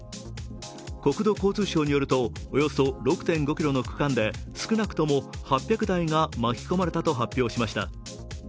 国土交通省によるとおよそ６．６ｋｍの区間で少なくとも８００台が巻き込まれたと発表しました。